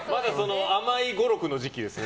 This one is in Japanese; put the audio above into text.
甘い語録の時期ですね。